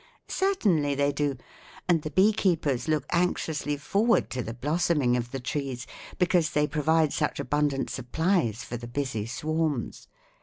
"Certainly they do; and the beekeepers look anxiously forward to the blossoming of the trees, because they provide such abundant supplies for the busy swarms.